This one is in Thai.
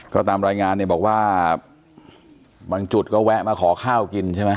ก็ตามรายงานเนี่ยบอกว่าบางจุดก็แวะมาขอข้าวกินใช่ไหม